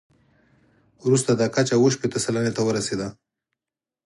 وروسته دا کچه اووه شپېته سلنې ته ورسېده.